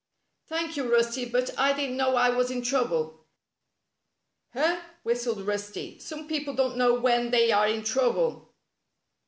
" Thank you, Rusty, but I didn't know I was in trouble." " Huh I " whistled Rusty. " Some people don't know when they are in trouble."